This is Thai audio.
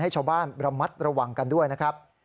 ให้ชาวบ้านระมัดระวังกันด้วยนะครับ